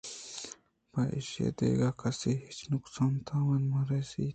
پہ ایشی ءَ دگہ کسے ءَ ہچ نقصءُتاوانے مہ رسیت